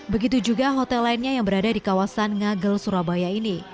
begitu juga hotel lainnya yang berada di kawasan ngagel surabaya ini